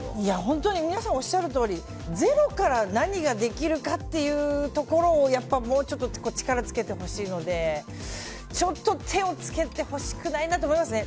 皆さんおっしゃるとおりゼロから何ができるかというところをもうちょっと力をつけてほしいので、ちょっと手をつけてほしくないなと思いますね。